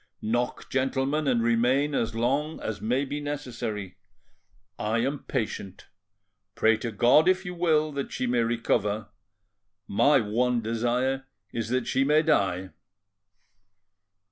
Knock, gentlemen, and remain as long as may be necessary. I am patient. Pray to God, if you will, that she may recover; my one desire is that she may die."